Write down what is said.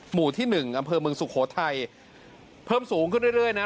หมู่ที่หนึ่งอำเภอเมืองสุโขทัยเพิ่มสูงขึ้นเรื่อยนะ